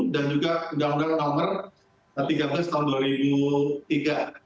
dan juga undang undang no tiga puluh tahun dua ribu tiga